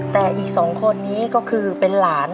แต่อีก๒คนนี้ก็คือเป็นหลาน